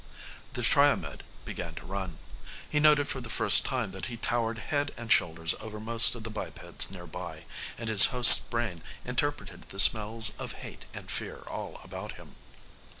The Triomed began to run. He noted for the first time that he towered head and shoulders over most of the bipeds nearby, and his host's brain interpreted the smells of hate and fear all about him.